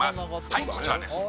はいこちらです